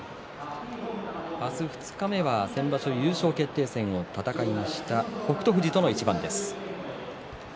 明日、二日目は先場所優勝決定戦を戦いました北勝富士との一番です。